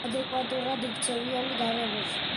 ადეკვატურად იქცევიან გარემოში.